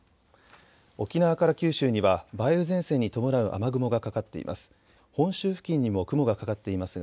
沖縄から九州には梅雨前線に伴う雨雲がかかっています。